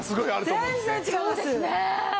全然違います。